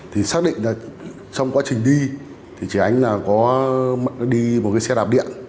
thì xác định là trong quá trình đi thì chị ánh có đi một cái xe đạp điện